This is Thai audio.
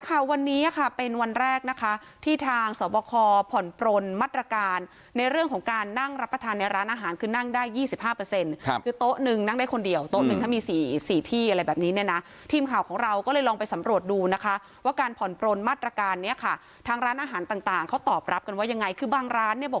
ค่ะวันนี้ค่ะเป็นวันแรกนะคะที่ทางสอบคอผ่อนปลนมาตรการในเรื่องของการนั่งรับประทานในร้านอาหารคือนั่งได้๒๕คือโต๊ะหนึ่งนั่งได้คนเดียวโต๊ะหนึ่งถ้ามี๔๔ที่อะไรแบบนี้เนี่ยนะทีมข่าวของเราก็เลยลองไปสำรวจดูนะคะว่าการผ่อนปลนมาตรการเนี้ยค่ะทางร้านอาหารต่างต่างเขาตอบรับกันว่ายังไงคือบางร้านเนี่ยบ